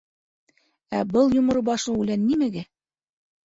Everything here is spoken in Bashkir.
«Ә был йоморо башлы үлән нимәгә?»